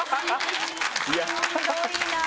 すごいなあ。